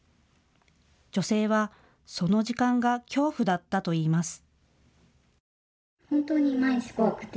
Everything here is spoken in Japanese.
女性はその時間が恐怖だったといいます。